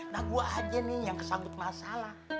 nah gue aja nih yang kesan untuk masalah